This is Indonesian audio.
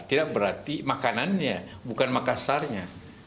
tidak berarti makanannya bukan makassarnya